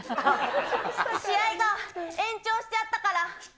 試合が延長しちゃったから。